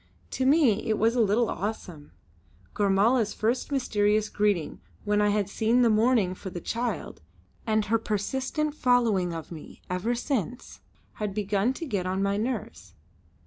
To me it was a little awesome. Gormala's first mysterious greeting when I had seen the mourning for the child, and her persistent following of me ever since, had begun to get on my nerves.